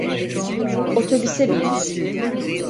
Otobüse bin.